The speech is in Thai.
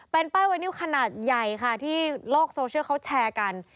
เป็นป้ายไวนิวขนาดใหญ่ค่ะที่โลกโซเชียลเขาแชร์กัน